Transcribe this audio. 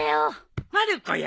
・まる子や。